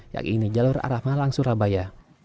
yakini jalur arah malang surabaya